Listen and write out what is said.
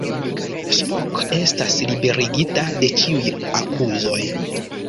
Spock estas liberigita de ĉiuj akuzoj.